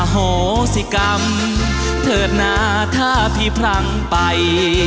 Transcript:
อโหสิกรรมเทิดหนาท่าพี่พรั่งไป